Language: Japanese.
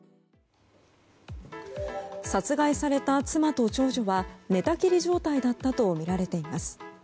殺害された妻と長女は寝たきり状態だったとみられています。